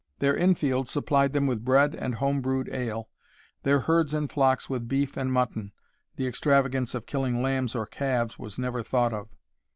Their in field supplied them with bread and home brewed ale, their herds and flocks with beef and mutton (the extravagance of killing lambs or calves was never thought of).